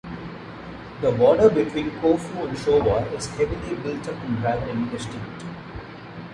The border between Kofu and Showa is heavily built up and rather indistinct.